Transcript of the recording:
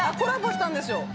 したんですよ